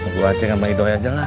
gue ceng sama idoi aja lah